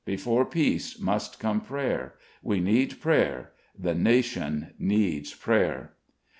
Before Peace must come Prayer. We need Prayer; the nation needs Prayer.